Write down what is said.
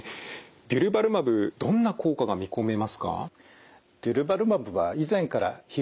デュルバルマブどんな効果が見込めますか？